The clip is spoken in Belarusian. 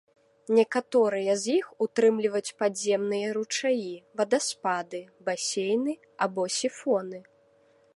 Некаторыя з іх ўтрымліваюць падземныя ручаі, вадаспады, басейны або сіфоны.